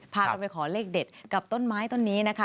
พากันไปขอเลขเด็ดกับต้นไม้ต้นนี้นะคะ